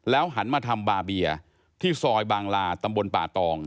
หันมาทำบาเบียที่ซอยบางลาตำบลป่าตอง